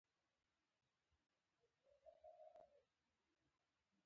کبان څنګه په اوبو کې ساه اخلي؟